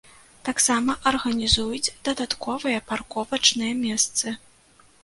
Таксама арганізуюць дадатковыя парковачныя месцы.